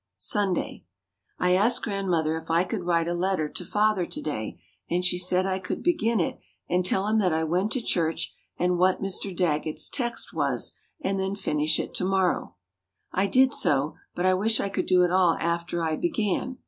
Sunday. I asked Grandmother if I could write a letter to Father to day, and she said I could begin it and tell him that I went to church and what Mr. Daggett's text was and then finish it to morrow. I did so, but I wish I could do it all after I began.